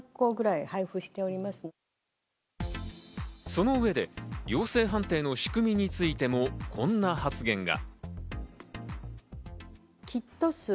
その上で陽性判定の仕組みについてもこんな発言が。